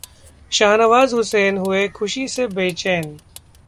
शाहनवाज हुसैन हुए खुशी से बेचैन